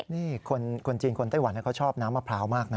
นี่คนจีนคนไต้หวันเขาชอบน้ำมะพร้าวมากนะ